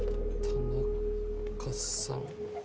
田中さん